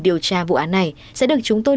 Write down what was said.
điều tra vụ án này sẽ được chúng tôi